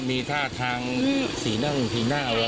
มีท่าทางสี่นั่งสี่หน้า